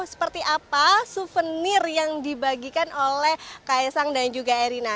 seperti apa souvenir yang dibagikan oleh ks sang dan juga erina